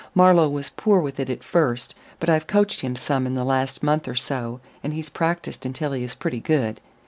"Marlowe was poor with it at first, but I've coached him some in the last month or so, and he's practised until he is pretty good.